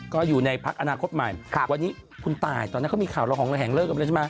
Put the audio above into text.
ก็อยู่ในพักษ์อนาคตใหม่วันนี้คุณตายตอนนี้เขามีข่าวเราห่องแล้วห่างเลิกออกมาเลยใช่ไหม